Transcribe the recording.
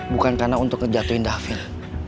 bukan karena untuk ngejatuhin david